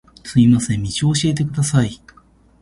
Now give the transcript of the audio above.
すみません、道を教えてください